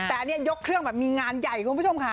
แต่อันนี้ยกเครื่องแบบมีงานใหญ่คุณผู้ชมค่ะ